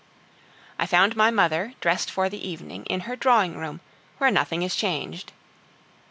I found my mother, dressed for the evening, in her drawing room, where nothing is changed.